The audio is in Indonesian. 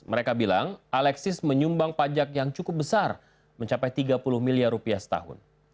mereka bilang alexis menyumbang pajak yang cukup besar mencapai tiga puluh miliar rupiah setahun